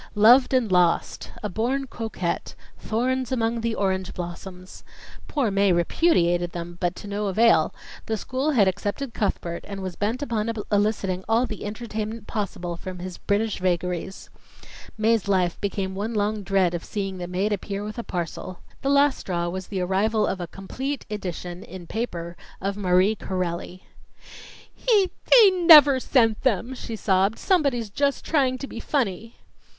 "Loved and Lost," "A Born Coquette," "Thorns among the Orange Blossoms." Poor Mae repudiated them, but to no avail; the school had accepted Cuthbert and was bent upon eliciting all the entertainment possible from his British vagaries. Mae's life became one long dread of seeing the maid appear with a parcel. The last straw was the arrival of a complete edition in paper of Marie Corelli. "He he never sent them!" she sobbed. "Somebody's just trying to be funny."